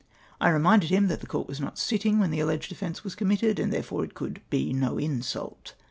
I re minded him that the Court was not sitting; when the alleged offence was committed, and therefore it could be no msult.